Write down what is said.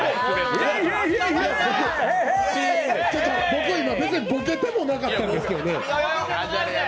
僕、今、全然ボケてもいなかったんですけどね。